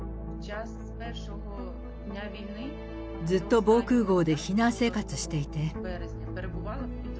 ずっと防空ごうで避難生活していて。